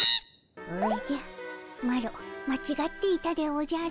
おじゃマロまちがっていたでおじゃる。